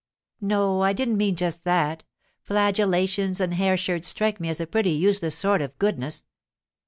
'No, I didn't mean just that. Flagellations and hair shirts strike me as a pretty useless sort of goodness.